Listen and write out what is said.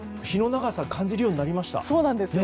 日の長さを感じるようになりました。